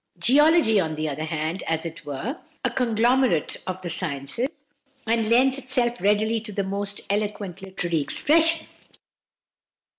Geology, on the other hand, is, as it were, a conglomerate of the sciences, and lends itself readily to the most eloquent literary expression.